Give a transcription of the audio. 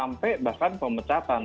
sampai bahkan pemecatan